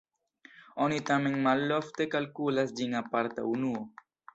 Oni tamen malofte kalkulas ĝin aparta unuo.